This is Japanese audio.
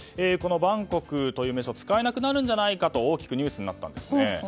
このバンコクという名称が使えなくなるんじゃないかと大きくニュースになったんですね。